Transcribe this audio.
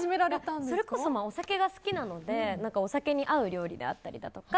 それこそ、お酒が好きなのでお酒に合う料理であったりとか